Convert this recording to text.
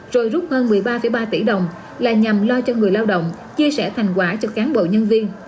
rồi rút hơn một mươi ba ba tỷ đồng là nhằm lo cho người lao động chia sẻ thành quả cho cán bộ nhân viên